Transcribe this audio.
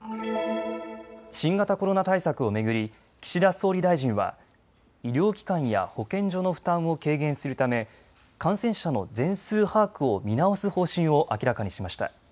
新型コロナ対策を巡り岸田総理大臣は医療機関や保健所の負担を軽減するため感染者の全数把握を見直す方針を明らかにしました。